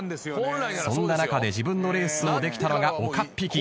そんな中で自分のレースをできたのが岡っ引き。